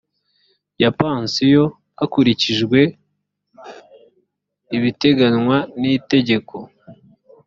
ya pansiyo hakurikijwe ibiteganywa n iritegeko